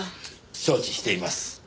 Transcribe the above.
承知しています。